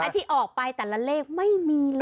ที่ออกไปแต่ละเลขไม่มีเลย